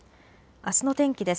あすの天気です。